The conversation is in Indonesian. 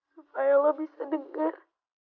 supaya lo bisa denger